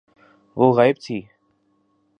وہ غائب تھی۔